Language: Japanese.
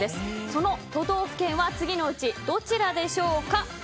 その都道府県は次のうちどちらでしょうか。